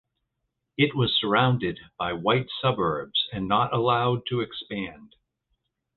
It was surrounded by white suburbs and not allowed to expand.